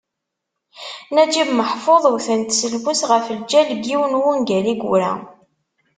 Naǧib Meḥfuḍ wten-t s lmus ɣef lǧal n yiwen n wungal i yura.